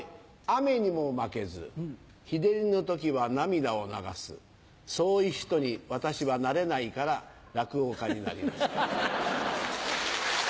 雨にも負けず日照りの時は涙を流すそういう人に私はなれないから落語家になりました。